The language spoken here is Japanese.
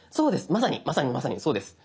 まさにまさにまさにそうです。